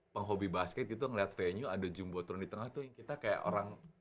penghobi basket itu ngeliat venue ada jumbotron di tengah tuh kita kayak orang